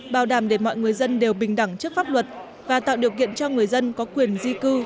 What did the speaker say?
bảo đảm để mọi người dân đều bình đẳng trước pháp luật và tạo điều kiện cho người dân có quyền di cư